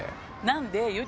なんで？